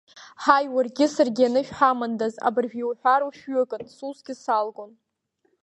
Ҳаи, уаргьы саргьы анышә ҳамандаз, абыржә иуҳәар ушәҩыкын, сусгьы салгон!